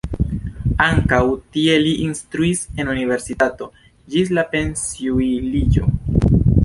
Ankaŭ tie li instruis en universitato ĝis la pensiuliĝo.